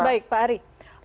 baik pak ari